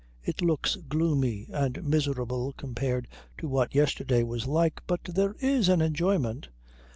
It looks gloomy and miserable compared to what yesterday was like, but there is an enjoyment.